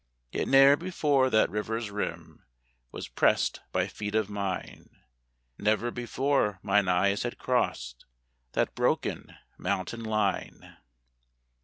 Yet ne'er before that river's rim Was pressed by feet of mine, Never before mine eyes had crossed That broken mountain line.